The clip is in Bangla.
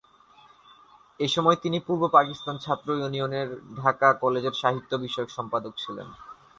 এসময় তিনি পূর্ব পাকিস্তান ছাত্র ইউনিয়নের ঢাকা কলেজের সাহিত্য বিষয়ক সম্পাদক ছিলেন।